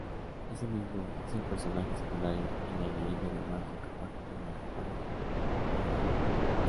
Asimismo, es el personaje secundario en la Leyenda de Manco Cápac y Mama Ocllo.